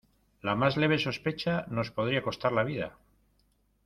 la más leve sospecha nos podría costar la vida.